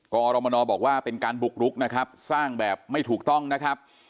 กรมนบอกว่าเป็นการบุกรุกนะครับสร้างแบบไม่ถูกต้องนะครับ